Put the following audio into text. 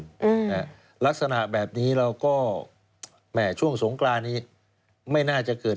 แล้วลักษณะแบบนี้เราก็แหมช่วงสงฆรานี้ไม่น่าจะเกิด